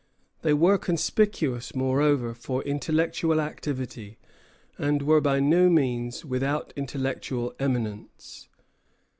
They were conspicuous, moreover, for intellectual activity, and were by no means without intellectual eminence.